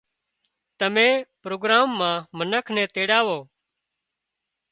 تمين پروگرام مان منک تيڙاوو